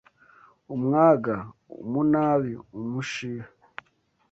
Umwaga: Umunabi, umushiha